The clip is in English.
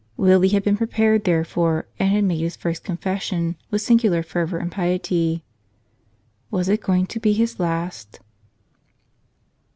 Willie had been prepared therefor and had made his first confession with singular fervor and piety. Was it going to be his last?